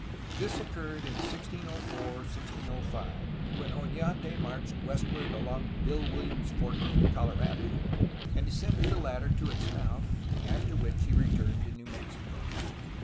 This occurred in 1604 1605, when Onate marched westward along Bill WilHams Fork to the Colorado, and descended the latter to its mouth, after which he returned to New Mexico.